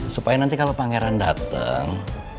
supaya nanti kalau pangeran datang